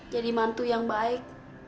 jadi mantu yang baik